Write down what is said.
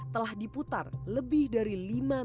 telah diputar lebih dari lima tahun